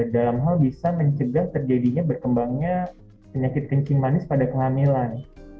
dalam hal bisa mencegah terjadinya berkembangnya penyakit kencing manis pada kehamilan